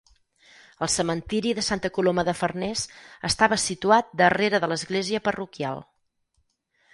El cementiri de Santa Coloma de Farners estava situat darrere de l'església parroquial.